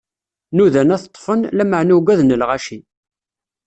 Nudan ad t-ṭṭfen, lameɛna ugaden lɣaci.